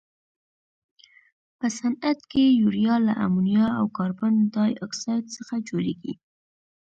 په صنعت کې یوریا له امونیا او کاربن ډای اکسایډ څخه جوړیږي.